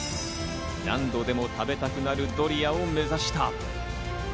何度でも食べたくなるドリアを目指した。